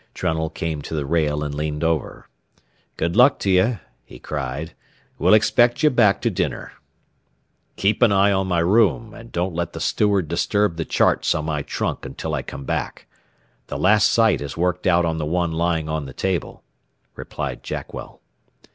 Trunnell came to the rail and leaned over. "Good luck to ye," he cried. "We'll expect ye back to dinner." "Keep an eye on my room, and don't let the steward disturb the charts on my trunk until I come back. The last sight is worked out on the one lying on the table," replied Jackwell.